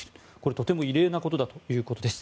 とても異例なことだということです。